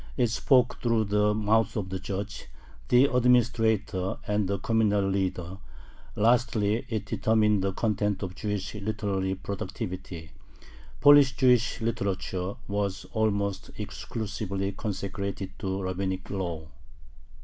It spoke through the mouth of the judge, the administrator, and the communal leader. Lastly it determined the content of Jewish literary productivity. Polish Jewish literature was almost exclusively consecrated to rabbinic law.